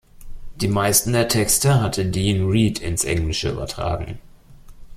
Die meisten der Texte hatte Dean Reed ins Englische übertragen.